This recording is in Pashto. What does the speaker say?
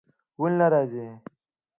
ولی نه راځی ؟